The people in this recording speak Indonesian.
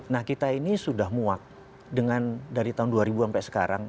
nah kita ini sudah muak dengan dari tahun dua ribu sampai sekarang